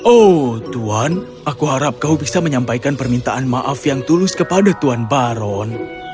oh tuhan aku harap kau bisa menyampaikan permintaan maaf yang tulus kepada tuhan baron